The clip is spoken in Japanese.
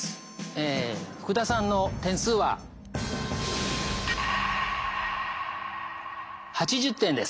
え福田さんの点数は８０点です。